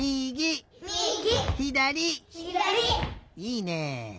いいね！